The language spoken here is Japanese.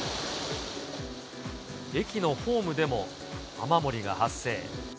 駅のホームでも雨漏りが発生。